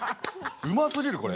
うますぎるこれ。